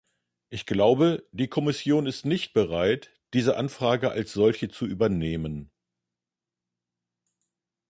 Ich glaube, die Kommission ist nicht bereit, diese Anfrage als solche zu übernehmen.